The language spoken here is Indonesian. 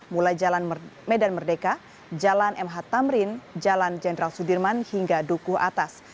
mulai jalan medan merdeka jalan mh tamrin jalan jenderal sudirman hingga dukuh atas